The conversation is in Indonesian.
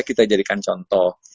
kita jadikan contoh